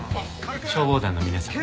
消防団の皆さんです。